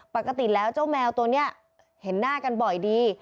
ปกติแล้วเจ้าแมวตัวนี้เห็นหน้ากันบ่อยดี